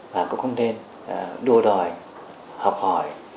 và cũng không nên đua đòi học hỏi